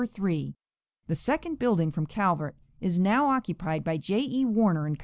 3, the second building from Calvert, is now occupied by J. E. Warner & Co.